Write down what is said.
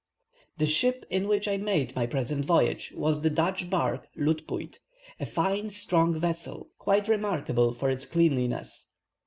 The ship in which I made my present voyage, was the Dutch barque Lootpuit, a fine, strong vessel, quite remarkable for its cleanliness.